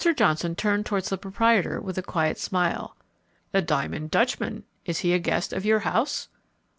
Johnson turned towards the proprietor with a quiet smile. "The 'diamond Dutchman!' Is he a guest of your house?"